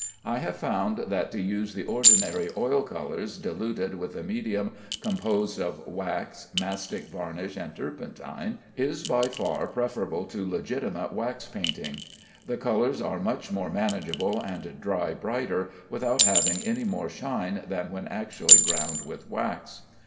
I have found that to use the ordinary oil colors diluted with a medium composed of wax, mastic varnish and turpentine, is by far preferable to legitimate wax painting. The colors are much more manageable and dry brighter, without having any more shine than when actually ground with wax.